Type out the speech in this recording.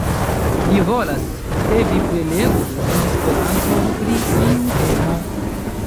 Li volas, ke vi prelegu en Esperanto pri iu temo.